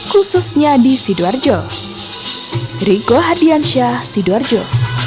khususnya di sidoarjo